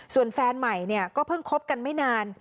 ส่วนแฟนใหม่เนี่ยก็เพิ่งคบกันไม่นาน